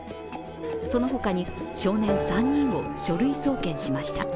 その他に少年３人を書類送検しました。